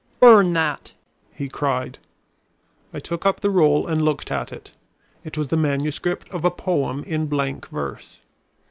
"Burn that!" he cried. I took up the roll and looked at it. It was the manuscript of a poem in blank verse.